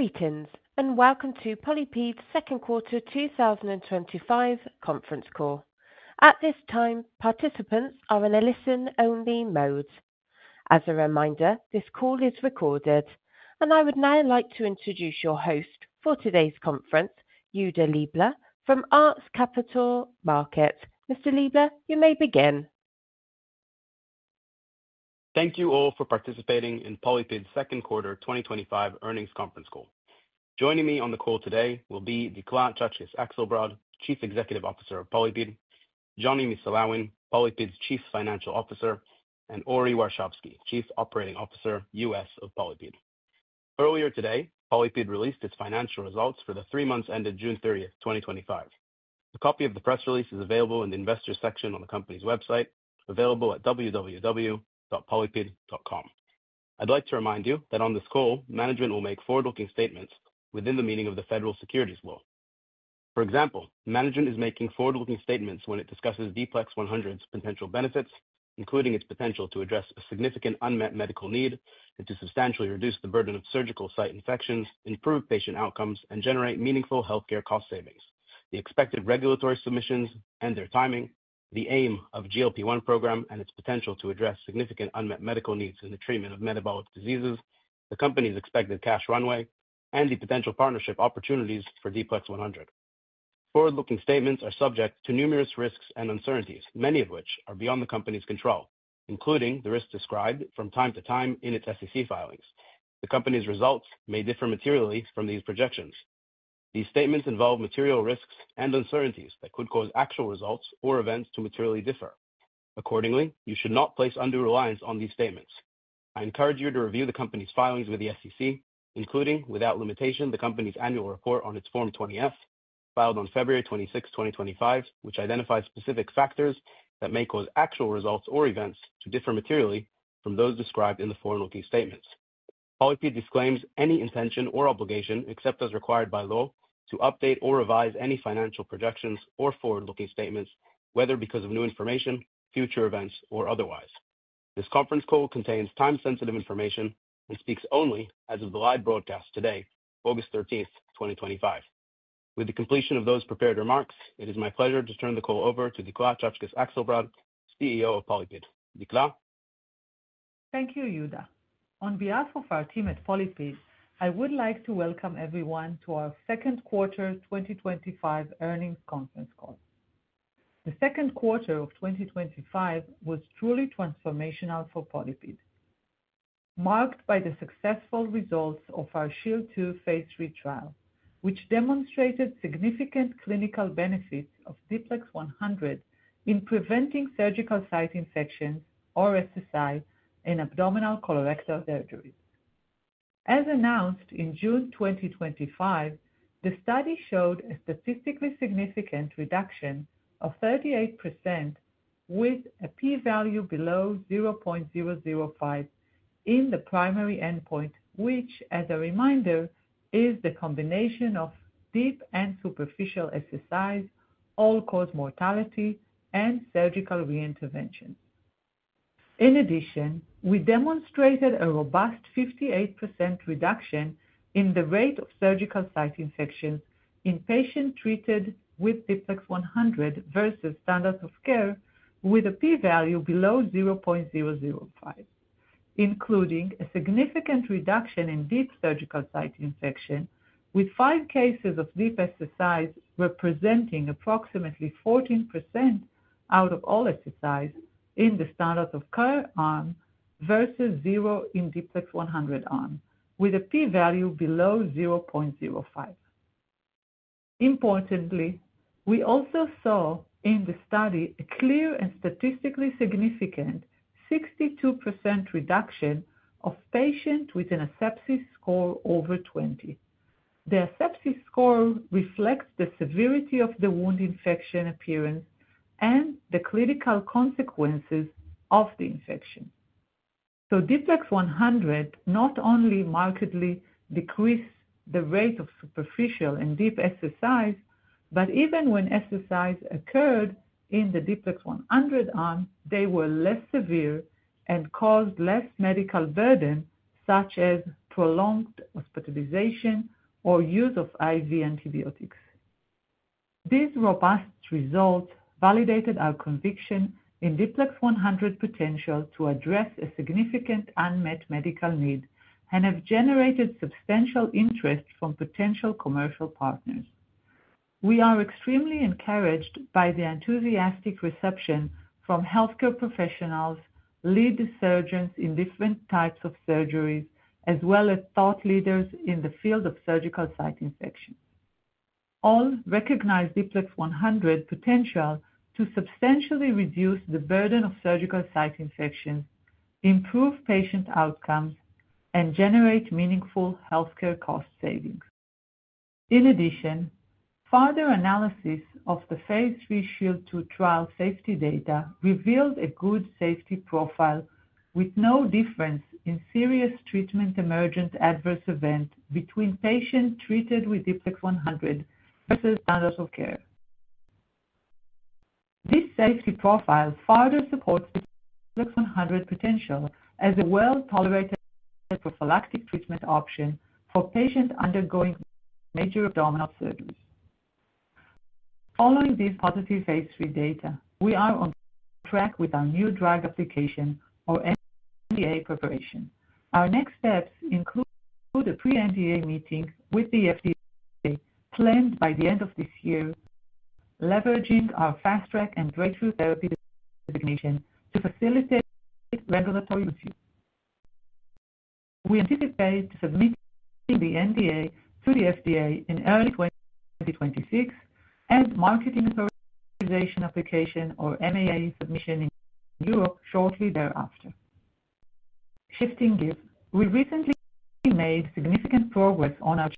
Greetings and welcome to PolyPid's Second Quarter 2025 Conference Call. At this time, participants are in a listen-only mode. As a reminder, this call is recorded. I would now like to introduce your host for today's conference, Yehuda Leibler from ARX Capital Markets. Mr. Leibler, you may begin. Thank you all for participating in PolyPid's Second Quarter 2025 Earnings Conference Call. Joining me on the call today will be Dikla Akselbrad, Chief Executive Officer of PolyPid, Jonny Missulawin, PolyPid's Chief Financial Officer, and Ori Warshavsky, Chief Operating Officer, US of PolyPid. Earlier today, PolyPid released its financial results for the three months ended June 30, 2025. A copy of the press release is available in the investors' section on the company's website, available at www.polypid.com. I'd like to remind you that on this call, management will make forward-looking statements within the meaning of the Federal Securities Law. For example, management is making forward-looking statements when it discusses D-PLEX 100's potential benefits, including its potential to address a significant unmet medical need, to substantially reduce the burden of surgical site infections, improve patient outcomes, and generate meaningful healthcare cost savings, the expected regulatory submissions and their timing, the aim of the GLP-1 program and its potential to address significant unmet medical needs in the treatment of metabolic diseases, the company's expected cash runway, and the potential partnership opportunities for D-PLEX 100. Forward-looking statements are subject to numerous risks and uncertainties, many of which are beyond the company's control, including the risks described from time to time in its SEC filings. The company's results may differ materially from these projections. These statements involve material risks and uncertainties that could cause actual results or events to materially differ. Accordingly, you should not place undue reliance on these statements. I encourage you to review the company's filings with the SEC, including, without limitation, the company's annual report on its Form 20-F filed on February 26th, 2025, which identifies specific factors that may cause actual results or events to differ materially from those described in the forward-looking statements. PolyPid disclaims any intention or obligation, except as required by law, to update or revise any financial projections or forward-looking statements, whether because of new information, future events, or otherwise. This conference call contains time-sensitive information and speaks only as of the live broadcast today, August 13th, 2025. With the completion of those prepared remarks, it is my pleasure to turn the call over to Dikla Akselbrad, CEO of PolyPid. Dikla. Thank you, Yehuda. On behalf of our team at PolyPid, I would like to welcome everyone to our Second Quarter 2025 Earnings Conference Call. The second quarter of 2025 was truly transformational for PolyPid, marked by the successful results of our SHIELD II phase III trial, which demonstrated significant clinical benefits of D-PLEX 100 in preventing surgical site infections, or SSI, in abdominal colorectal surgery. As announced in June 2025, the study showed a statistically significant reduction of 38% with a p-value below 0.005 in the primary endpoint, which, as a reminder, is the combination of deep and superficial SSIs, all-cause mortality, and surgical reintervention. In addition, we demonstrated a robust 58% reduction in the rate of surgical site infections in patients treated with D-PLEX 100 versus standards of care, with a p-value below 0.005, including a significant reduction in deep surgical site infections, with five cases of deep SSIs representing approximately 14% out of all SSIs in the standards of care arm versus zero in the D-PLEX 100 arm, with a p-value below 0.05. Importantly, we also saw in the study a clear and statistically significant 62% reduction of patients with an asepsis score over 20. The asepsis score reflects the severity of the wound infection appearance and the clinical consequences of the infection. D-PLEX 100 not only markedly decreased the rate of superficial and deep SSIs, but even when SSIs occurred in the D-PLEX 100 arm, they were less severe and caused less medical burden, such as prolonged hospitalization or use of IV antibiotics. These robust results validated our conviction in D-PLEX 100's potential to address a significant unmet medical need and have generated substantial interest from potential commercial partners. We are extremely encouraged by the enthusiastic reception from healthcare professionals, lead surgeons in different types of surgeries, as well as thought leaders in the field of surgical site infections. All recognize D-PLEX 100's potential to substantially reduce the burden of surgical site infections, improve patient outcomes, and generate meaningful healthcare cost savings. In addition, further analysis of the phase III SHIELD II trial safety data revealed a good safety profile with no difference in serious treatment-emergent adverse events between patients treated with D-PLEX 100 versus standards of care. This safety profile further supports the D-PLEX 100 potential as a well-tolerated prophylactic treatment option for patients undergoing major abdominal surgeries. Following this positive Phase III data, we are on track with our New Drug Application or FDA preparation. Our next steps include a pre-NDA meeting with the FDA planned by the end of this year, leveraging our fast-track and breakthrough therapy designation to facilitate regulatory review. We anticipate submitting the NDA to the FDA in early 2026 and Marketing Authorization Application or MAA submission in Europe shortly thereafter. Shifting gears, we recently made significant progress on our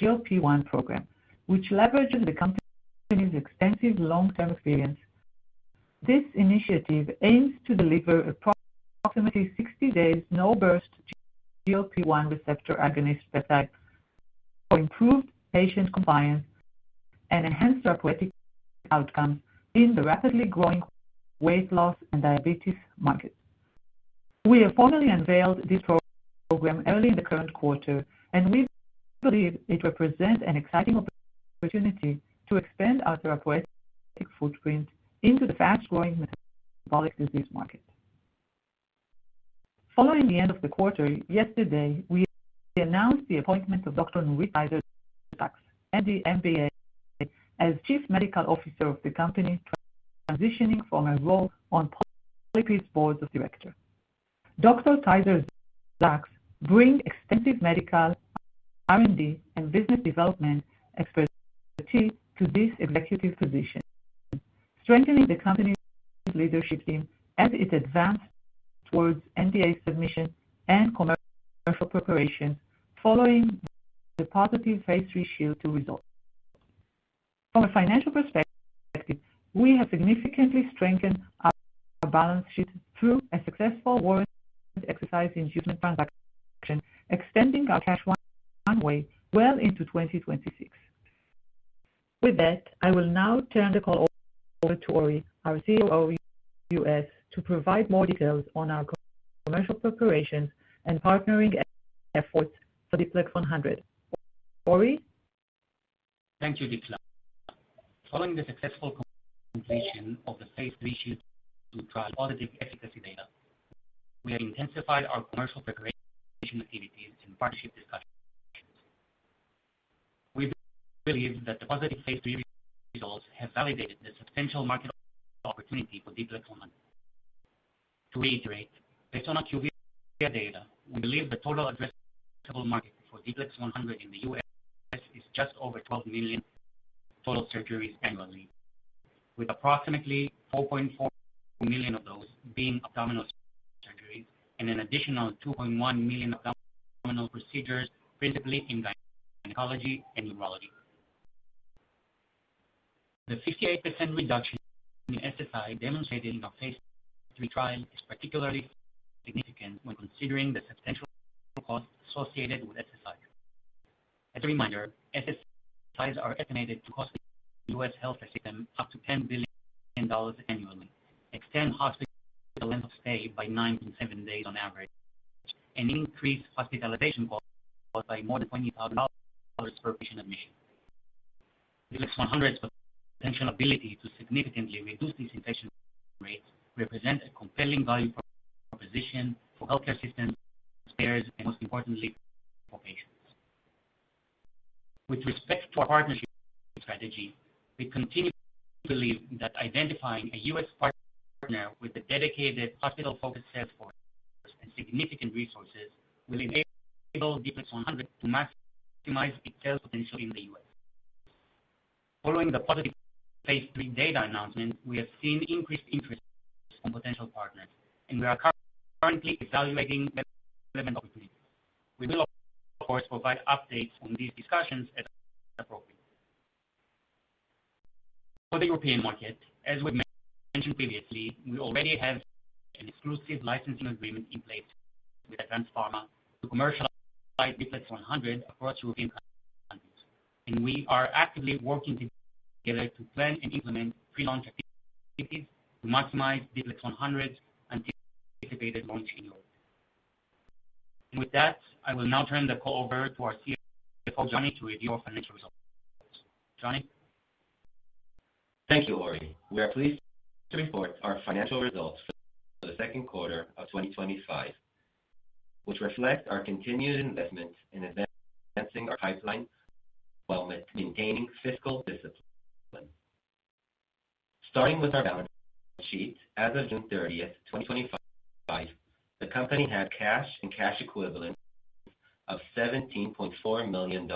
GLP-1 program, which leverages the company's extensive long-term experience. This initiative aims to deliver approximately 60 days no-burst GLP-1 receptor agonist peptide for improved patient compliance and enhanced therapeutic outcomes in the rapidly growing weight loss and diabetes market. We have formally unveiled this program early in the current quarter, and we believe it represents an exciting opportunity to expand our therapeutic footprint in the fast-growing metabolic disease market. Following the end of the quarter, yesterday we announced the appointment of Dr. Nurit Tweezer-Zaks, MD, MBA, as Chief Medical Officer of the company, transitioning from her role on PolyPid's board of directors. Dr. Zaks brings extensive medical R&D and business development expertise to this executive position, strengthening the company's leadership team as it advances towards NDA submission and commercial preparation following the positive Phase III Shield II results. From a financial perspective, we have significantly strengthened our balance sheet through a successful warrant exercise inducement transaction, extending our cash runway well into 2026. With that, I will now turn the call over to Ori, our COO, to provide more details on our commercial preparation and partnering efforts for D-PLEX 100. Ori? Thank you, Dikla. Following the successful completion of the phase III SHIELD II trial auditing efficacy data, we have intensified our commercial preparation activities and partnership discussions. We believe that the positive Phase III results have validated the substantial market opportunity for D-PLEX 100. To reiterate, based on accurate data we believe the total addressable market for D-PLEX 100 in the U.S. is just over 12 million total surgeries annually, with approximately 4.4 million of those being abdominal surgeries and an additional 2.1 million abdominal procedures, principally in gynecology and urology. The 58% reduction in SSI demonstrated in our phase III trial is particularly significant when considering the substantial costs associated with SSI. As a reminder, SSIs are estimated to cost the U.S. healthcare system up to $10 billion annually, extend hospital length of stay by 7-9 days on average, and increase hospitalization costs by more than $20,000 per patient admission. D-PLEX 100's potential ability to significantly reduce these infection rates represents a compelling value proposition for the healthcare system, payers, and most importantly, for patients. With respect to our partnership strategy, we continue to believe that identifying a U.S. partner with a dedicated hospital-focused set of significant resources will enable D-PLEX 100 to maximize its sales potential in the U.S. Following the positive phase III data announcement, we have seen increased interest from potential partners, and we are currently evaluating that development opportunity. We will, of course, provide updates on these discussions as appropriate. For the European market, as we mentioned previously, we already have an exclusive licensing agreement in place with Advanced Pharma to commercialize D-PLEX 100 across European countries. We are actively working together to plan and implement pre-launch activities to maximize D-PLEX 100's anticipated launch and role. With that, I will now turn the call over to our CFO, Jonny, to review our financial results. Jonny? Thank you, Ori. We are pleased to report our financial results for the second quarter of 2025, which reflect our continued investment in advancing our pipeline while maintaining fiscal discipline. Starting with our balance sheet, as of June 30th, 2025, the company had cash and cash equivalents of $17.4 million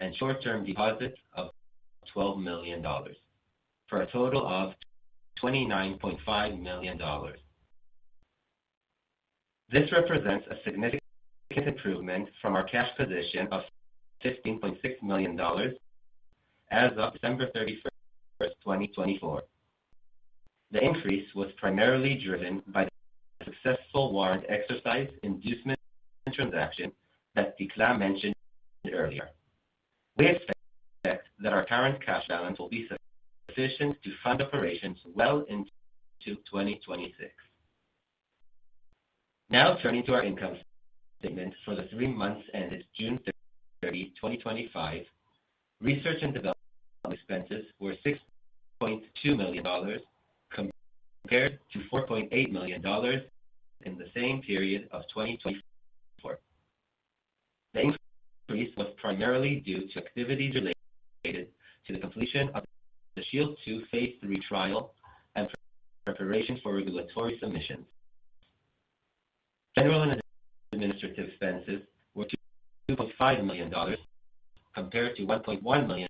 and short-term deposits of $12 million for a total of $29.5 million. This represents a significant improvement from our cash position of $15.6 million as of December 31st, 2024. The increase was primarily driven by the successful warrant exercise inducement transaction that Dikla mentioned earlier. We expect that our current cash balance will be sufficient to fund operations well into 2026. Now, turning to our income statement for the three months ended June 30th, 2025, research and development expenses were $6.2 million compared to $4.8 million in the same period of 2024. The increase was primarily due to activity related to the completion of the SHIELD II phase III trial and preparation for regulatory submissions. General and administrative expenses were $2.5 million compared to $1.1 million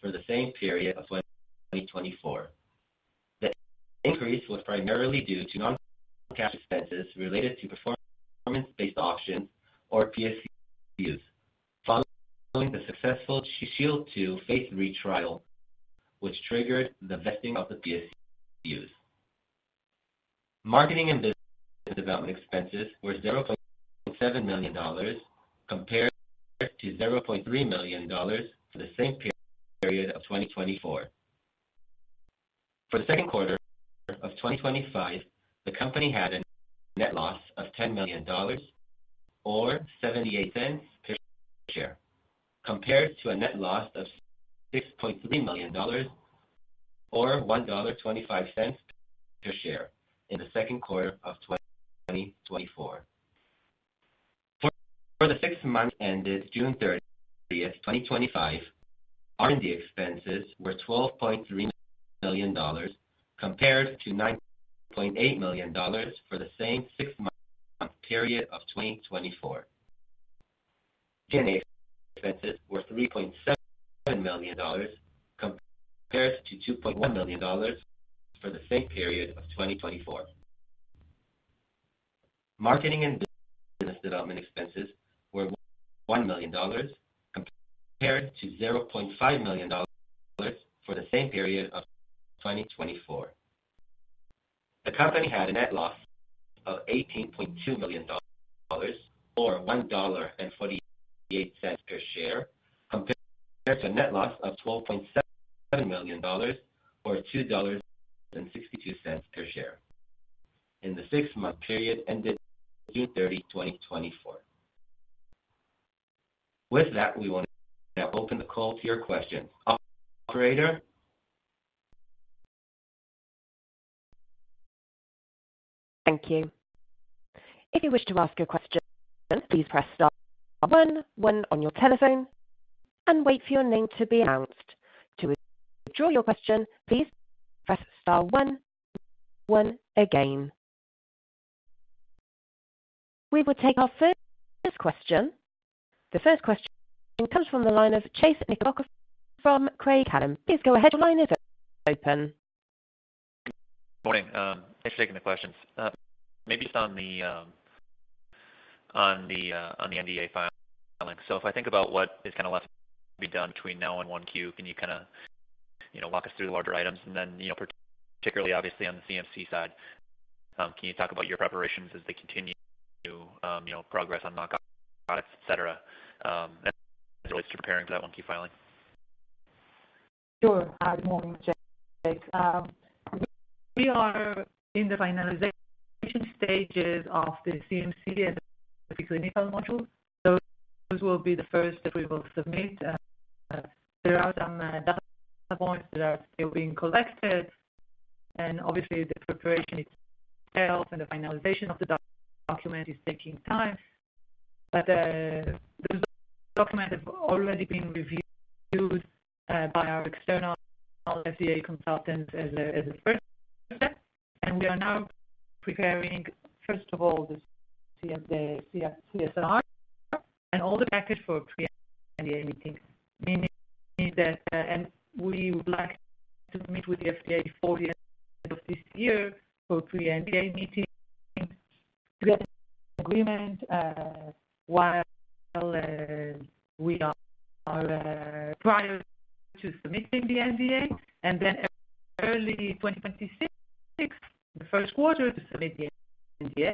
for the same period of 2024. The increase was primarily due to non-cash expenses related to performance-based awards or PSUs, following the successful SHIELD II phase III trial, which triggered the vesting of the PSUs. Marketing and business development expenses were $0.7 million compared to $0.3 million for the same period of 2024. For the second quarter of 2025, the company had a net loss of $10 million or $0.78 per share compared to a net loss of $6.3 million or $1.25 per share in the second quarter of 2024. For the six months ended June 30th, 2025, R&D expenses were $12.3 million compared to $9.8 million for the same six-month period of 2024. G&A expenses were $3.7 million compared to $2.1 million for the same period of 2024. Marketing and business development expenses were $1 million compared to $0.5 million for the same period of 2024. The company had a net loss of $18.2 million or $1.48 per share compared to a net loss of $12.7 million or $2.62 per share in the six-month period ended June 30th, 2024. With that, we want to now open the call to your questions. Operator? Thank you. If you wish to ask your question, please press star one, one on your telephone, and wait for your name to be announced. To withdraw your question, please press star one, one again. We will take our first question. The first question comes from the line of Chase Knickerbocker from Craig-Hallum. Please go ahead. The line is open. Morning. Thanks for taking the questions. Maybe it's on the NDA filing. If I think about what is kind of left to be done between now and 1Q, can you walk us through the larger items? Particularly, obviously, on the CMC side, can you talk about your preparations as they continue to progress on knockout products, etc.? That's always too preparing for that 1Q filing. Sure. Good morning, Chase. We are in the finalization stages of the CMC and the clinical module. Those will be the first that we will submit. Throughout them, data points that are still being collected. Obviously, the preparation itself and the finalization of the document is taking time. The document has already been reviewed by our external FDA consultant as a first step. We are now preparing, first of all, the CMC CSR and all the packets for pre-NDA meetings. Meaning that we would like to meet with the FDA before the end of this year for pre-NDA meetings, create an agreement while we are prior to submitting the NDA. Early 2026, the first quarter, to submit the NDA.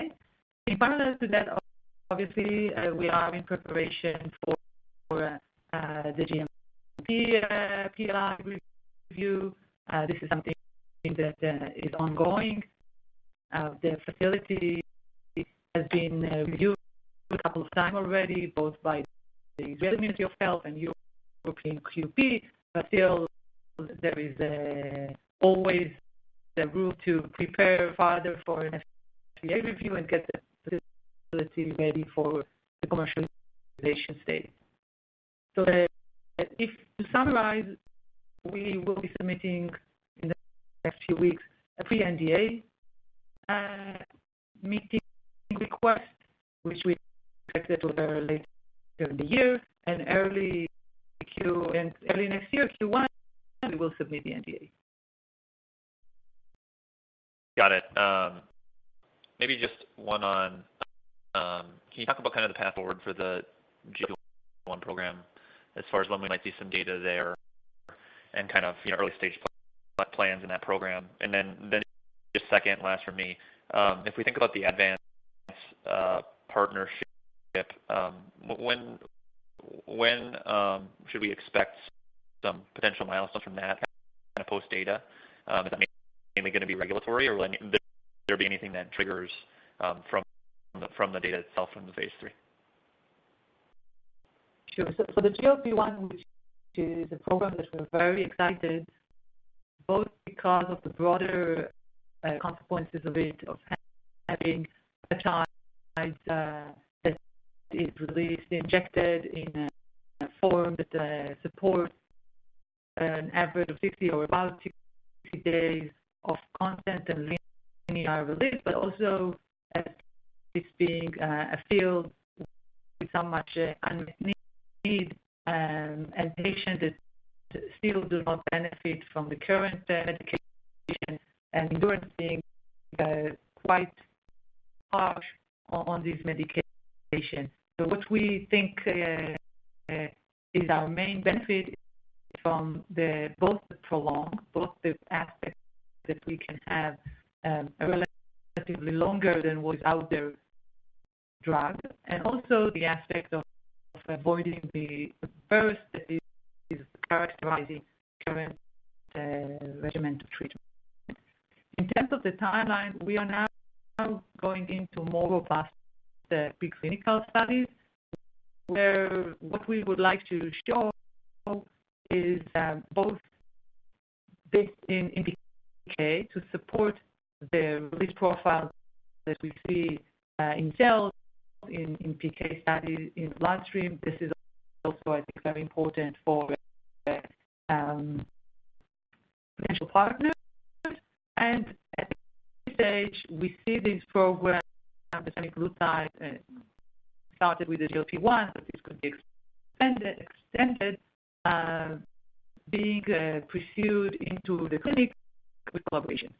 In parallel to that, we are in preparation for the GMP PR review. This is something that is ongoing. The facility has been reviewed a couple of times already, both by the U.S. Ministry of Health and European QP. There is always room to prepare further for an FDA review and get the facility ready for the commercialization stage. To summarize, we will be submitting in the next few weeks a pre-NDA meeting request, which we expected to have early this year. Early next year, Q1, we will submit the NDA. Got it. Maybe just one on, can you talk about kind of the path forward for the GLP-1 program as far as when we might do some data there and kind of, you know, early-stage plans in that program? If we think about the Advanced Pharma partnership, when should we expect some potential milestones from that kind of post-data? Is it mainly going to be regulatory, or will there be anything that triggers from the data itself from the Phase III? Sure. For the GLP-1 program, which is a program that we're very excited about because of the broader consequences of it, of having the time that it released. They injected in a form that supports an average of 60 or about 60 days of constant and linear release, but also as it's being a field with so much unmet need and patients that still do not benefit from the current medication and endurance being quite harsh on these medications. What we think is our main benefit is from both the prolonged, both the aspect that we can have a relatively longer than what's out there drug and also the aspect of avoiding the burst that is characterizing the current regimen treatment. In terms of the timeline, we are now going into more robust preclinical studies where what we would like to show is both based in PK to support the release profile that we see in cells, in PK studies, in bloodstream. This is also very important for potential partners. At this stage, we see this program, the 20-glucide, started with the GLP-1 as this could be extended being pursued into the clinic with collaboration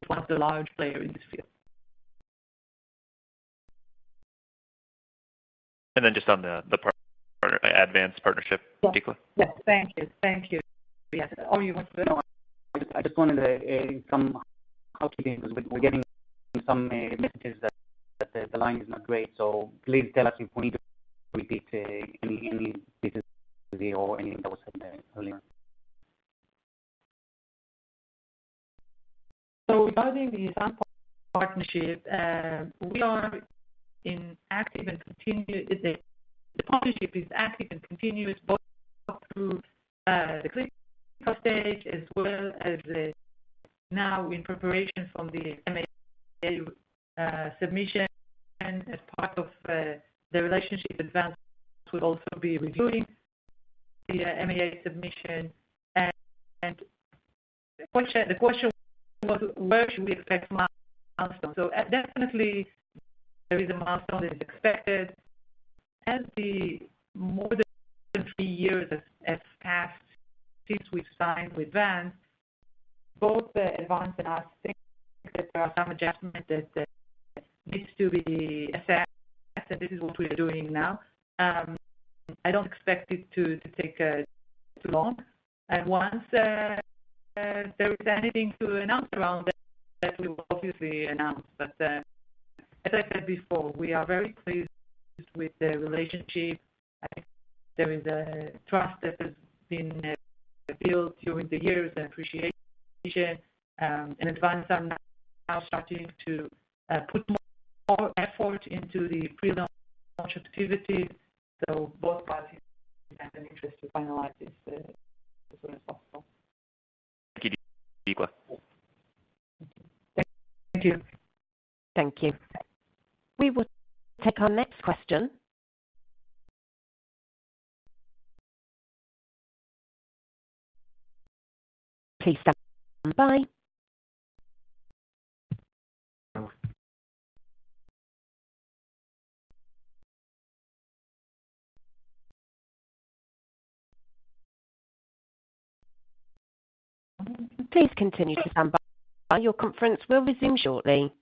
with one of the large players in this field. Regarding the Advanced Pharma partnership, Dikla. Yes, thank you. Yes, you want to add? I just wanted to add in some housekeeping because we're getting some messages that the line is not great. Please tell us if we need to repeat anything or any of those earlier. Regarding the sample partnership, we are in active and continuous. The partnership is active and continuous both through the clinical stage as well as now in preparation for the MAA submission. As part of the relationship, Advanced would also be reviewing the MAA submission. The question was, where should we expect milestones? There is definitely a milestone that is expected. As more than three years have passed since we've signed with Advanced, both Advanced and us think that there are some adjustments that need to be assessed. This is what we are doing now. I don't expect it to take too long. Once there is anything to announce around that, we will obviously announce. As I said before, we are very pleased with the relationship. There is a trust that has been built during the years and appreciation and Advanced on how strategies to put more effort into the freedom of subjectivity. Both parties have an interest to finalize this as soon as possible. Thank you, Dikla. Thank you. Thank you. We will take our next question. Please stand by. Please continue to stand by. Your conference will resume shortly.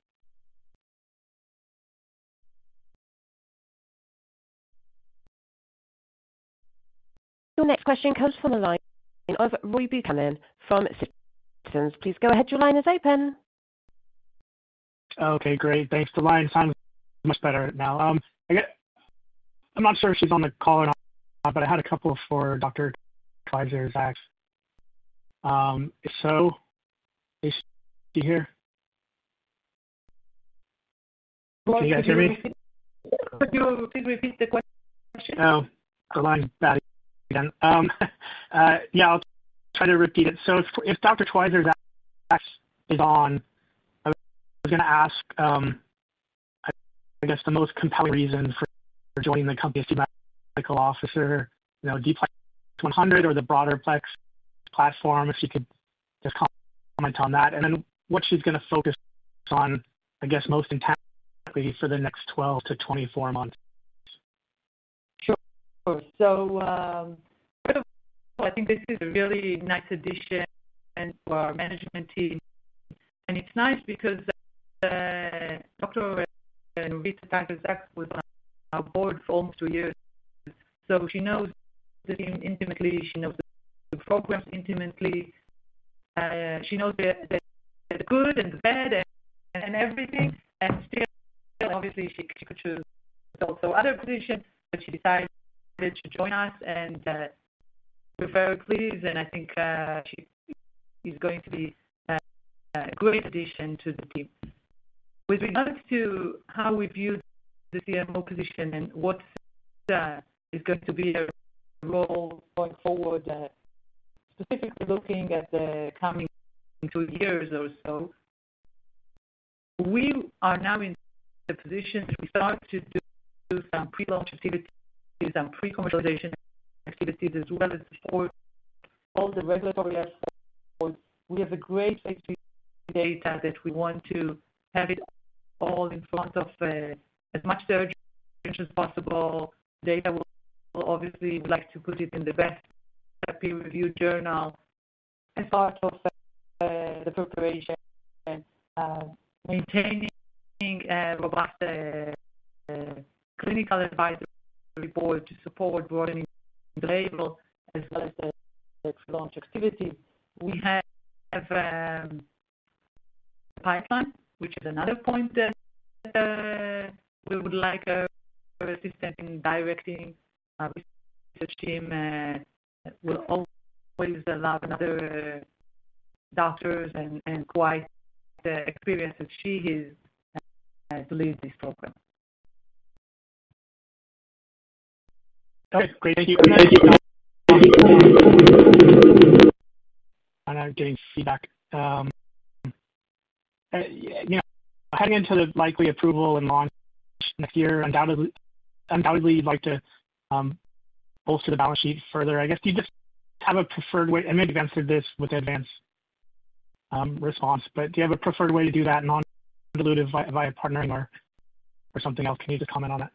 Your next question comes from the line. Over, Doug Buchanan from JMP Securities. Please go ahead. Your line is open. Okay. Great. Thanks. The line sounds much better now. I'm not sure if she's on the call or not, but I had a couple for Dr. Tweezer-Zaks. Is she here? Hello. Can you hear me? Could you please repeat the question? No. The line's back again. I'll try to repeat it. If Dr. Tweezer-Zaks is on, I was going to ask the most compelling reason for joining the company as a Medical Officer, you know, D-PLEX 100 or the broader PLEX technology platform, if she could give a comment on that. What she's going to focus on most intensely for the next 12-24 months. Sure. First of all, I think this is a really nice addition to our management team. It's nice because Dr. Nurit Zaks was on our board for almost two years. She knows the team intimately. She knows the programs intimately. She knows the good and the bad and everything. Obviously, she could choose also other positions, but she decided to join us. We're very pleased. I think she is going to be a great addition to the team. With regards to how we view the Chief Medical Officer position and what is going to be our role going forward, specifically looking at the coming two years or so, we are now in a position to start to do some pre-launch activities and pre-commercialization activities as well as support all the regulatory efforts. We have great phase III data that we want to have all in front of as much third-party as possible. Data will obviously like to put it in the best peer-reviewed journal as far as the preparation and maintaining a robust clinical advisory board to support broadening the label as well as the next launch activity. We have a pipeline, which is another point that we would like her assistance in directing our research team. We'll always allow another doctor and quite the experience that she has to lead this program. Great. Thank you. We're heading into the likely approval and launch next year. Undoubtedly, you'd like to bolster the balance sheet further. I guess, do you just have a preferred way? Maybe you've answered this with the advanced response, but do you have a preferred way to do that non-dilutive via partnering or something else? Can you just comment on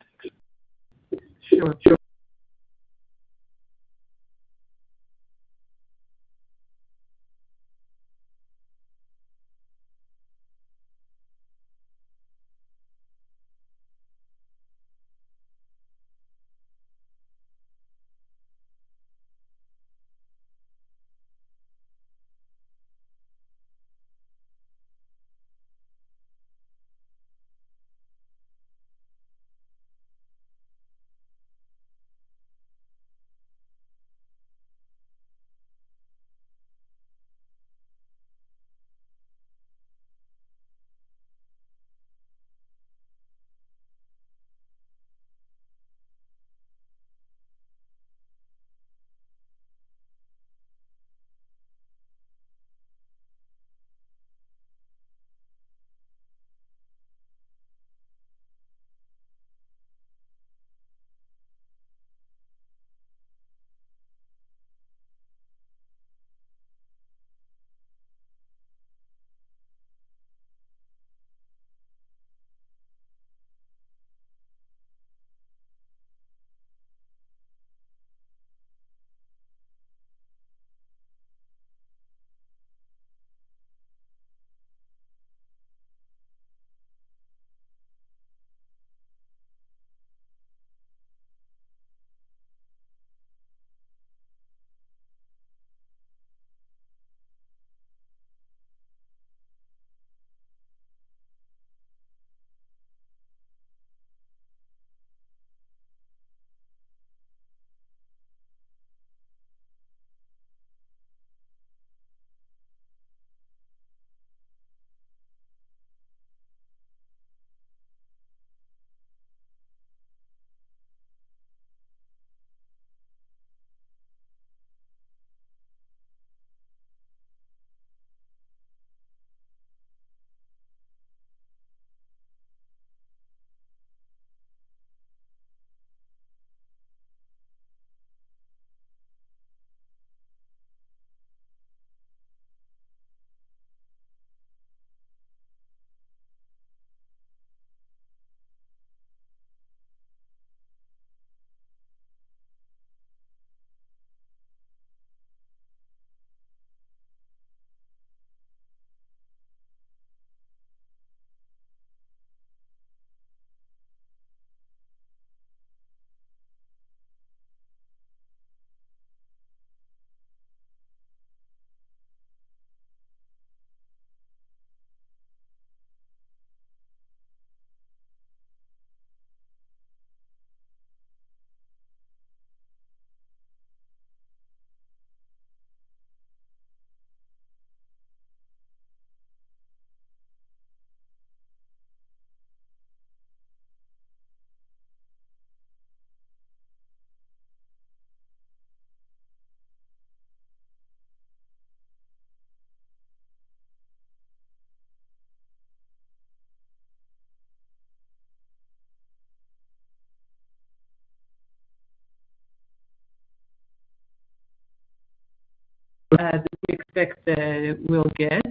that? Sure. We expect it will get.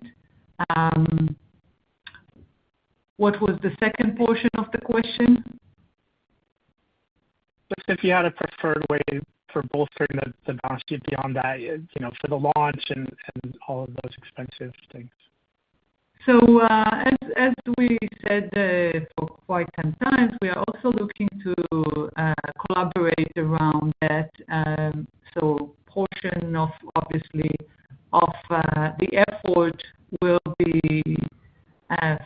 What was the second portion of the question? Just if you had a preferred way for bolstering the balance sheet beyond that, you know, for the launch and all of those expensive things. As we said for quite some time, we are also looking to collaborate around that. A portion of, obviously, the effort will be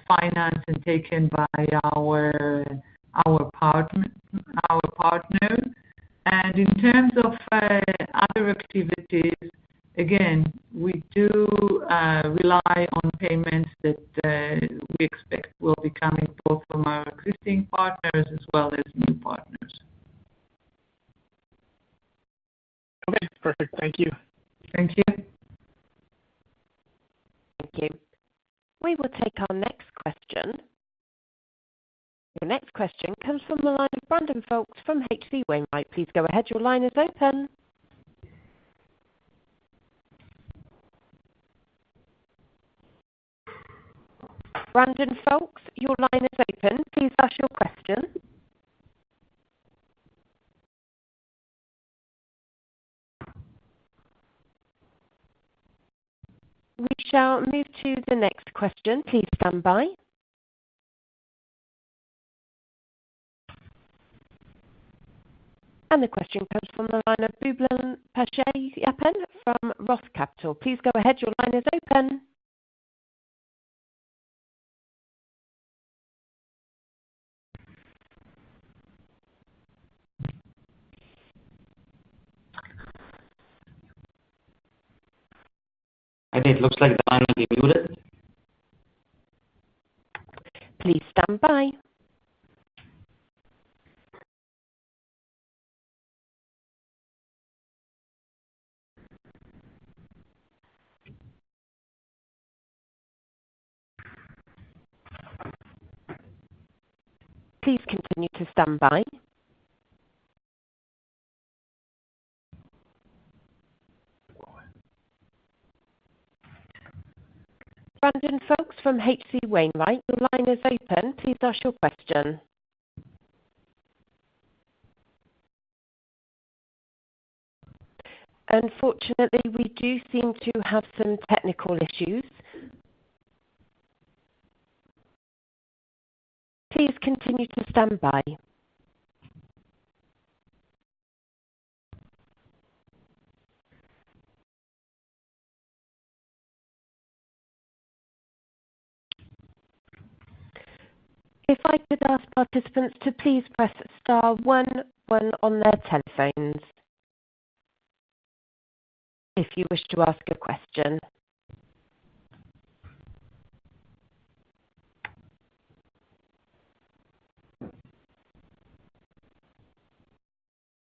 financed and taken by our partner. In terms of other activities, again, we do rely on payments that we expect will be coming both from our existing partners as well as new partners. Okay. Perfect. Thank you. Thank you. Thank you. We will take our next question. Your next question comes from the line of Brandon Foulks from H.D. Wainwright. Please go ahead. Your line is open. Brandon Foulks, your line is open. Please ask your question. We shall move to the next question. Please stand by. The question comes from the line of Boobalan Pachaiyappan from ROTH Capital. Please go ahead. Your line is open. I think it looks like the line will be muted. Please stand by. Please continue to stand by. Brandon Foulks from H.D. Wainwright. Your line is open. Please ask your question. Unfortunately, we do seem to have some technical issues. Please continue to stand by. If I could ask participants to please press star one, one on their telephones if you wish to ask a question.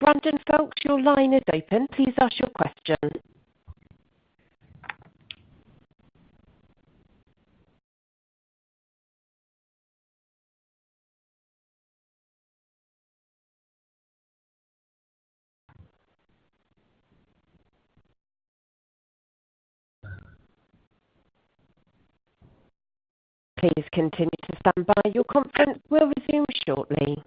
Brandon Foulks, your line is open. Please ask your question. Please continue to stand by. Your conference will resume shortly.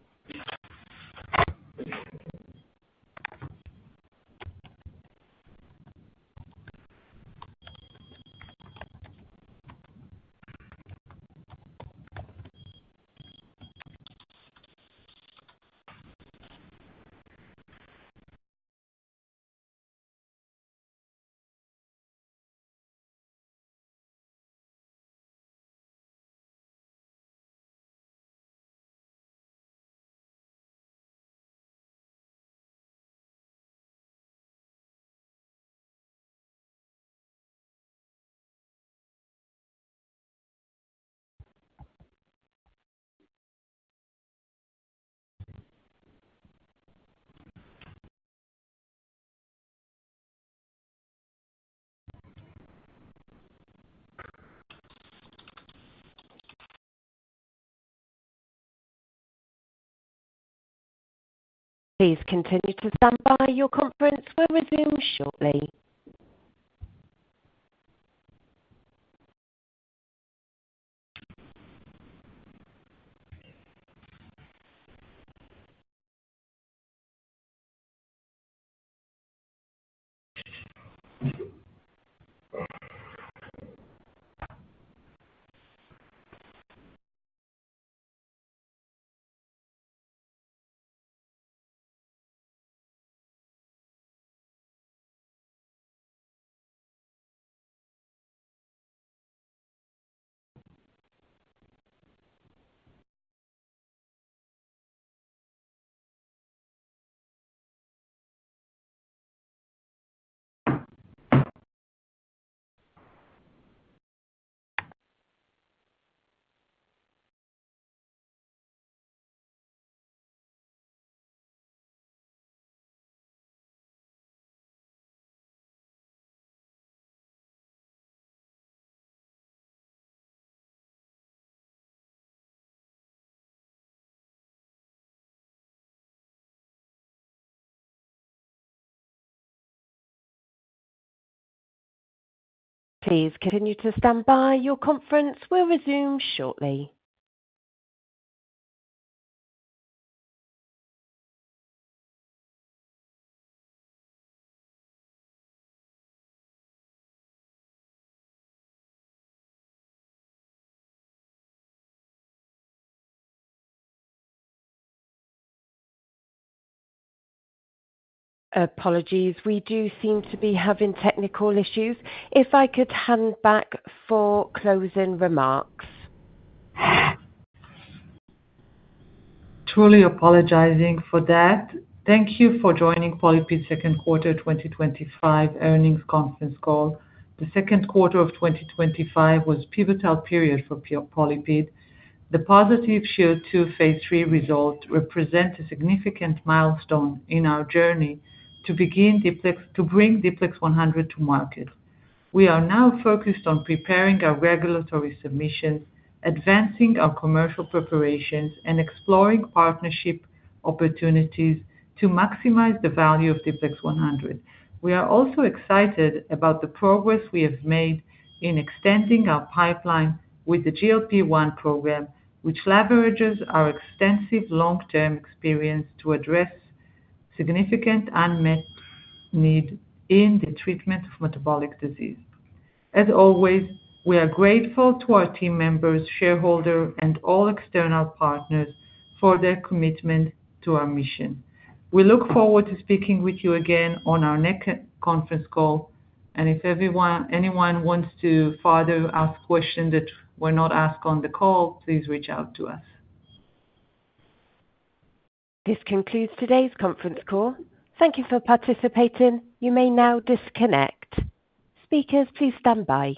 Please continue to stand by. Your conference will resume shortly. Please continue to stand by. Your conference will resume shortly. Apologies. We do seem to be having technical issues. If I could hand back for closing remarks. Truly apologizing for that. Thank you for joining PolyPid's Second Quarter 2025 Earnings Conference Call. The second quarter of 2025 was a pivotal period for PolyPid. The positive SHIELD II phase III result represents a significant milestone in our journey to bring D-PLEX100 to market. We are now focused on preparing our regulatory submissions, advancing our commercial preparations, and exploring partnership opportunities to maximize the value of D-PLEX 100. We are also excited about the progress we have made in extending our pipeline with the GLP-1 program, which leverages our extensive long-term experience to address significant unmet needs in the treatment of metabolic disease. As always, we are grateful to our team members, shareholders, and all external partners for their commitment to our mission. We look forward to speaking with you again on our next conference call. If anyone wants to further ask questions that were not asked on the call, please reach out to us. This concludes today's conference call. Thank you for participating. You may now disconnect. Speakers, please stand by.